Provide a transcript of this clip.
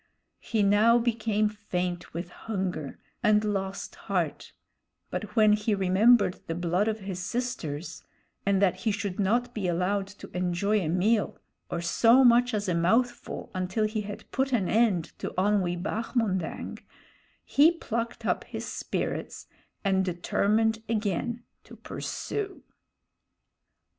He now became faint with hunger, and lost heart; but when he remembered the blood of his sisters, and that he should not be allowed to enjoy a meal, or so much as a mouthful, until he had put an end to Onwee Bahmondang, he plucked up his spirits and determined again to pursue.